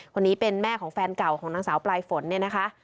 คนนี้เป็นแม่ของแฟนเก่าของนางสาวปลายฝนเนี่ยนะคะ